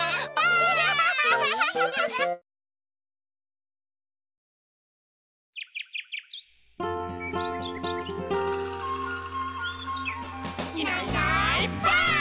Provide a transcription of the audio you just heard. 「いないいないばあっ！」